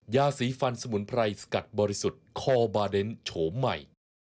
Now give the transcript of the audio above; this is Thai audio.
ยาสีฟันสมุนไพรสกัดบริสุทธิ์คอบาเดนโฉมใหม่